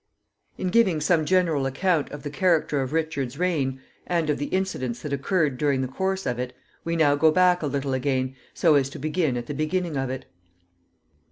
In giving some general account of the character of Richard's reign, and of the incidents that occurred during the course of it, we now go back a little again, so as to begin at the beginning of it.